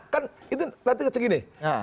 kan itu nanti seperti ini